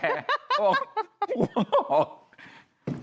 เขาบอก